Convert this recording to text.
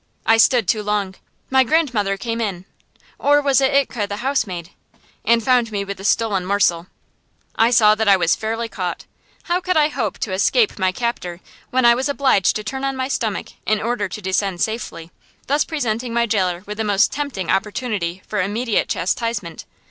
I stood too long. My grandmother came in or was it Itke, the housemaid? and found me with the stolen morsel. I saw that I was fairly caught. How could I hope to escape my captor, when I was obliged to turn on my stomach in order to descend safely, thus presenting my jailer with the most tempting opportunity for immediate chastisement?